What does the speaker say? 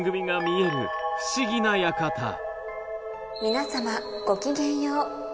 皆様ごきげんよう。